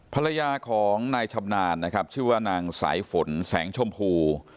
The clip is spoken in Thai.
ภรรยาของนายชำนาญนะครับชื่อว่านางสายฝนแสงชมพู